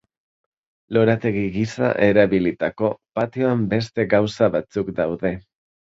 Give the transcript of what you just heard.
Lorategi giza erabilitako patioan beste gauza batzuk daude.